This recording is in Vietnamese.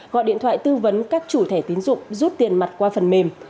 gọi điện thoại tư vấn các chủ thẻ tín dụng rút tiền mặt qua phần mềm